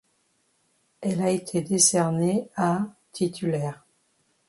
Elle a été décernée à titulaires.